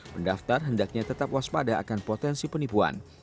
pendaftar hendaknya tetap waspada akan potensi penipuan